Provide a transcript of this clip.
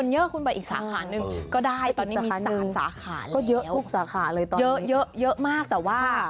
เยอะมากแต่ว่า